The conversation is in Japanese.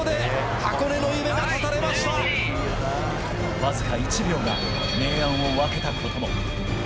わずか１秒が明暗を分けたことも。